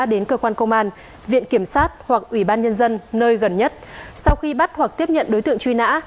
đến cơ quan công an viện kiểm sát hoặc ủy ban nhân dân nơi gần nhất sau khi bắt hoặc tiếp nhận đối tượng truy nã